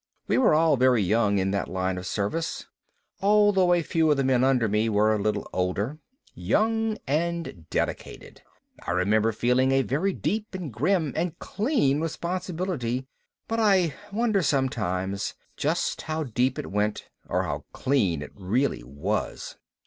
We were all very young in that line of service, though a few of the men under me were a little older. Young and dedicated. I remember feeling a very deep and grim and clean responsibility. But I wonder sometimes just how deep it went or how clean it really was.